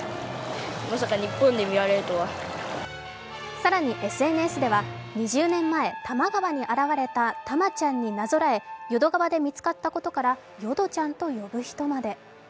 更にＳＮＳでは２０年前、多摩川に現れたタマちゃんになぞらえ淀川で見つかったことからよどちゃんと呼ぶ人まで。